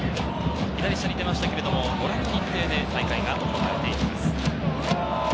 左下に出ましたがご覧の日程で大会が行われていきます。